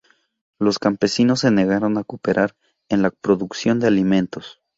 Los campesinos se negaron a cooperar en la producción de alimentos.